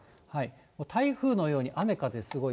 台風のように雨風すごい。